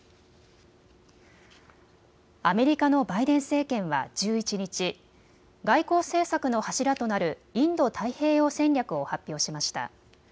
アメリカのバイデン政権は１１日、外交政策の柱となるインド太平洋戦略を発表しました。